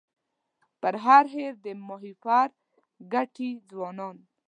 پر هر هېر د ماهیپر ګټي ځوانانو